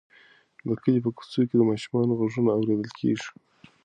د کلي په کوڅو کې د ماشومانو غږونه اورېدل کېږي.